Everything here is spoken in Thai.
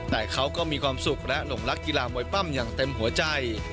แต่เขาก็มีความสุขและหลงรักกีฬามวยปั้มอย่างเต็มหัวใจ